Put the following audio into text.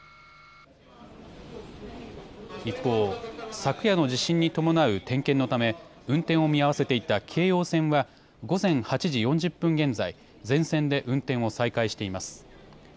一方、昨夜の地震に伴う点検のため運転を見合わせていた京葉線は午前８時４０分現在、全線で運転を再開しています。